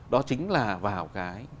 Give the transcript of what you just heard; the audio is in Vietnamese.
đó chính là vào cái